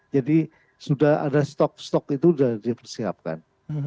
jadi sudah ada stok stok itu sudah dipersiapkan